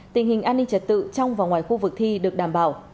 tình hình an ninh trật tự trong và ngoài khu vực thi được đảm bảo